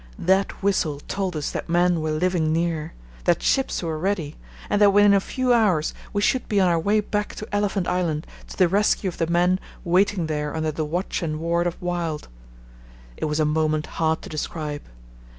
That whistle told us that men were living near, that ships were ready, and that within a few hours we should be on our way back to Elephant Island to the rescue of the men waiting there under the watch and ward of Wild. It was a moment hard to describe.